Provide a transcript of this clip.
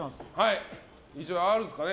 あるんですかね。